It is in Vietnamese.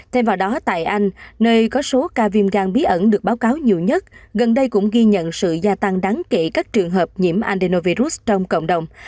thêm vào đó tại anh nơi có số ca viêm gan bí ẩn được báo cáo nhiều nhất gần đây cũng ghi nhận sự gia tăng đáng kỵ các trường hợp nhiễm andenovirus trong cộng đồng